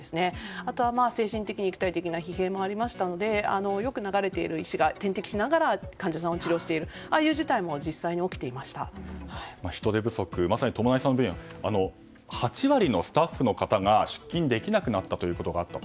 あとは精神的・肉体的な疲弊もあったのでよく流れている医師が点滴しながら患者さんを治療しているああいう事態も人手不足８割のスタッフの方が出勤できなくなったということがあったと。